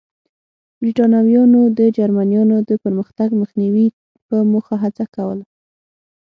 برېټانویانو د جرمنییانو د پرمختګ مخنیوي په موخه هڅه کوله.